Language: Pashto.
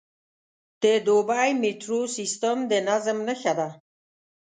د دوبی میټرو سیستم د نظم نښه ده.